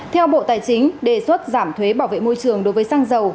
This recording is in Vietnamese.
theo bộ tài chính đề xuất giảm thuế bảo vệ môi trường đối với xăng dầu